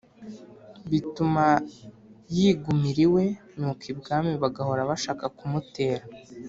bituma yigumira iwe. nuko ibwami bagahora bashaka kumutera,